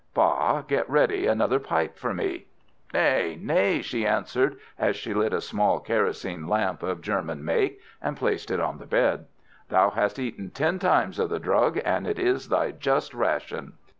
Ba, get ready another pipe for me." "Nay! nay!" she answered, as she lit a small kerosine lamp of German make, and placed it on the bed; "thou hast eaten ten times of the drug, and it is thy just ration."